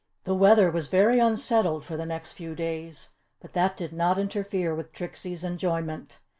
The weather was very unsettled for the next few days, but that did not interfere with Trixie's enjoyment.